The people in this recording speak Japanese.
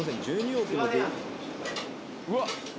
うわっ。